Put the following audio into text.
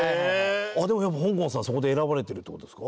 でもやっぱほんこんさんそこで選ばれてるって事ですか？